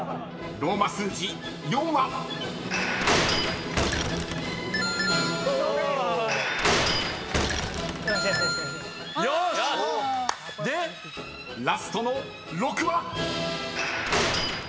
［ローマ数字４は］よしっ！で⁉［ラストの６は］